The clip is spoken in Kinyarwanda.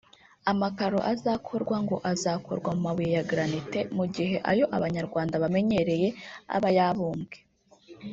Amakaro azakorwa ngo azakorwa mu mabuye ya granite mu gihe ayo Abanyarwanda bamenyereye aba yabumbwe